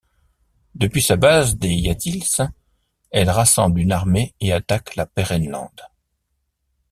Depuis sa base des Yatils, elle rassemble une armée et attaque la Pérennelande.